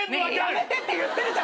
やめてって言ってるじゃん。